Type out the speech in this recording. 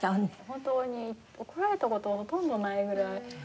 本当に怒られた事ほとんどないぐらい。